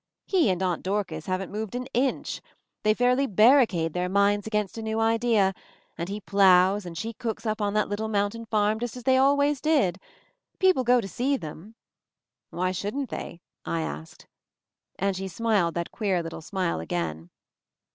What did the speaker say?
He and Aunt Dorcas haven't moved an inch. They fairly barricade their minds against a new idea — and he ploughs and she cooks up on that little mountain farm just as they al ways did. People go to see them " "Why shouldn't they?" I asked. And she smiled that queer little smile again.